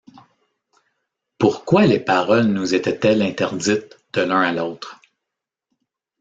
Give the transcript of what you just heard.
Pourquoi les paroles nous étaient-elles interdites de l’un à l’autre!